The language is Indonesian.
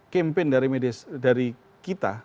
kampanye dari media dari kita